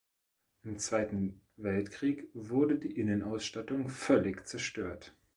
Im Zweiten Weltkrieg wurde die Innenausstattung völlig zerstört.